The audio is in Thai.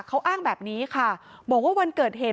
เขาอ้างแบบนี้ค่ะบอกว่าวันเกิดเหตุ